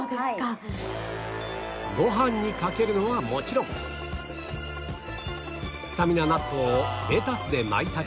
ご飯にかけるのはもちろんスタミナ納豆をレタスで巻いたり